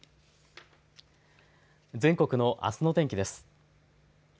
全国のあすの天気です。